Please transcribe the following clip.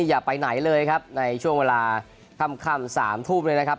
อย่าไปไหนเลยครับในช่วงเวลาค่ำสามทุ่มเลยนะครับ